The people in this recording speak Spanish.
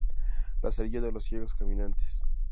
Lazarillo de los ciegos caminantes.